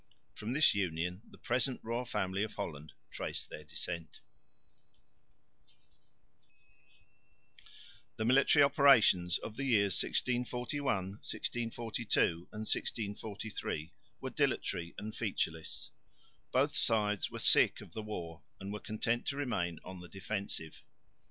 From this union the present royal family of Holland trace their descent. The military operations of the years 1641, 1642 and 1643 were dilatory and featureless. Both sides were sick of the war and were content to remain on the defensive.